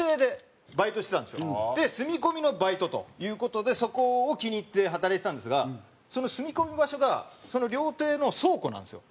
で住み込みのバイトという事でそこを気に入って働いてたんですがその住み込み場所がその料亭の倉庫なんですよ。